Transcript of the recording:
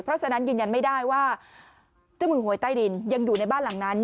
เพราะฉะนั้นยืนยันไม่ได้ว่าเจ้ามือหวยใต้ดินยังอยู่ในบ้านหลังนั้น